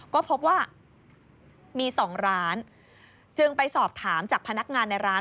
ก็พบว่ามี๒ร้านจึงไปสอบถามจากพนักงานในร้าน